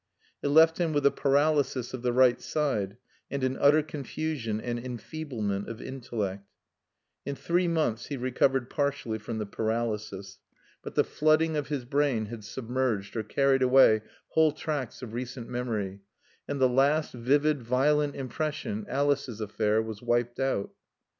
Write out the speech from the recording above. It left him with a paralysis of the right side and an utter confusion and enfeeblement of intellect. In three months he recovered partially from the paralysis. But the flooding of his brain had submerged or carried away whole tracts of recent memory, and the last vivid, violent impression Alice's affair was wiped out.